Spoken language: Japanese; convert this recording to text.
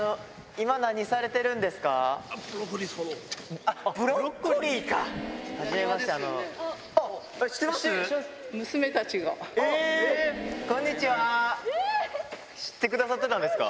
今何されているんですか？